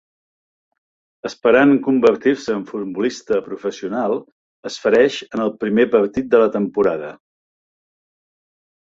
Esperant convertir-se en futbolista professional, es fereix en el primer partit de la temporada.